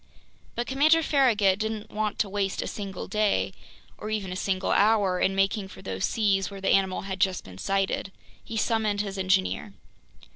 But Commander Farragut didn't want to waste a single day, or even a single hour, in making for those seas where the animal had just been sighted. He summoned his engineer.